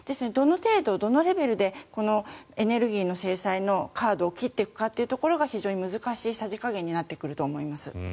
どの程度、どのレベルでこのエネルギーの制裁のカードを切っていくかというところが非常に難しいさじ加減になってくると思います。